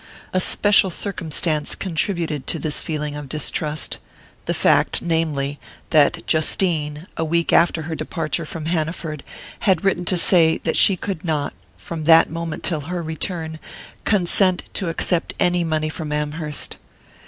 A special circumstance contributed to this feeling of distrust; the fact, namely, that Justine, a week after her departure from Hanaford, had written to say that she could not, from that moment till her return, consent to accept any money from Amherst.